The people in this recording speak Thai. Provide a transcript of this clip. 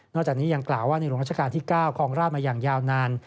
จากนี้ยังกล่าวว่าในหลวงราชการที่๙ครองราชมาอย่างยาวนาน